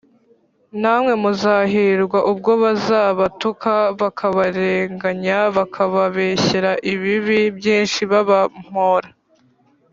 namwe muzahirwa ubwo bazabatuka bakabarenganya, bakababeshyera ibibi byinshi babampora